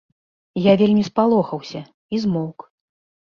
Я вельмі спалохаўся і змоўк.